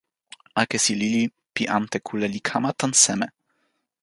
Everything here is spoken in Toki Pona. akesi lili pi ante kule li kama tan seme?